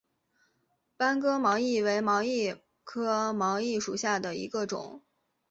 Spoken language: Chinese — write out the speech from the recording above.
班戈毛茛为毛茛科毛茛属下的一个种。